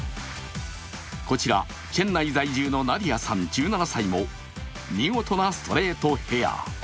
こちら、チェンナイ在住のナディヤさん１７歳も見事なストレートヘア。